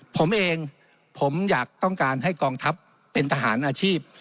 ผมเองผมอยากต้องการให้กองทัพเป็นทหารอาชีพ